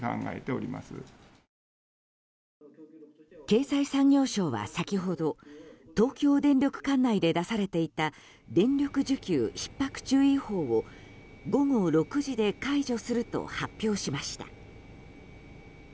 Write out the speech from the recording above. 経済産業省は先ほど東京電力管内で出されていた電力需給ひっ迫注意報を午後６時で解除すると発表しました。